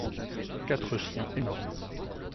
Quatre chiens énormes.